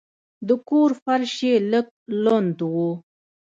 د کور فرش یې لږ لند و.